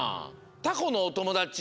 タコのおともだち？